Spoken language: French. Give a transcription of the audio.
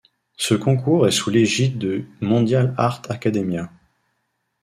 Ce concours est sous l'égide de Mondial Art Academia.